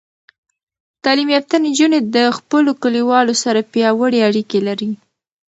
تعلیم یافته نجونې د خپلو کلیوالو سره پیاوړې اړیکې لري.